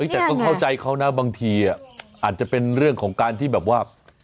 แต่ต้องเข้าใจเขานะบางทีอาจจะเป็นเรื่องของการที่แบบว่า